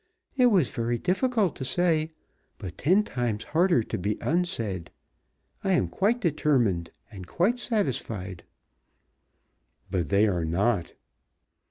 It was very difficult to say; but ten times harder to be unsaid. I am quite determined, and quite satisfied." "But they are not."